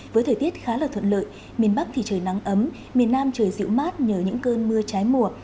với thời tiết khá là thuận lợi miền bắc thì trời nắng ấm miền nam trời dịu mát nhờ những cơn mưa trái mùa